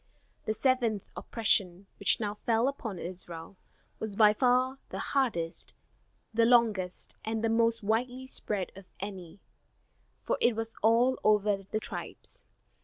The seventh oppression, which now fell upon Israel, was by far the hardest, the longest and the most widely spread of any, for it was over all the tribes.